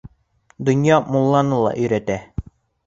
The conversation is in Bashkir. Донъя мулланы ла өйрәтә.